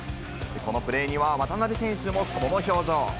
このプレーには渡邊選手もこの表情。